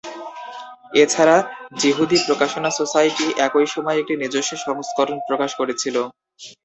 এছাড়া, যিহুদি প্রকাশনা সোসাইটি একই সময়ে এর নিজস্ব সংস্করণ প্রকাশ করেছিল।